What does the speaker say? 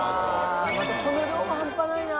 またこの量も半端ないな。